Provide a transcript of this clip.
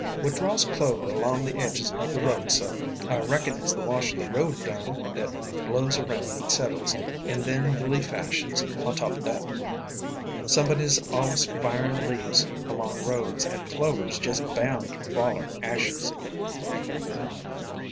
"What draws Clover along the edges o' the road so? I reckon it 's the wash o' the road dung that blows around and settles, and then the leaf ashes 284 WAYFARERS on top o' that. Somebody 's allus firing leaves along roads, and Clover 's jest bound ter foller ashes.